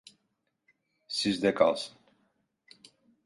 Sizde kalsın.